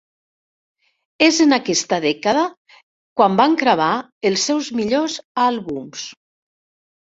És en aquesta dècada quan van gravar els seus millors àlbums.